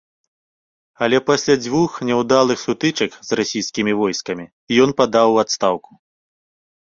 Але пасля дзвюх няўдалых сутычак з расійскімі войскамі ён падаў у адстаўку.